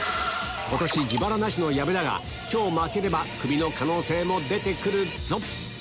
今年自腹なしの矢部だが今日負ければクビの可能性も出て来るぞ